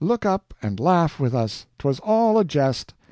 Look up, and laugh with us 'twas all a jest!"